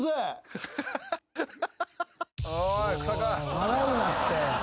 笑うなって。